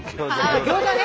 あっギョーザね。